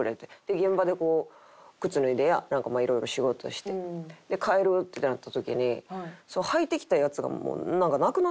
現場でこう靴脱いで色々仕事して帰るってなった時に履いてきたやつがなんかなくなってんねん。